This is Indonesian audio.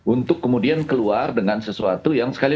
untuk kemudian keluar dengan sesuatu yang sekaligus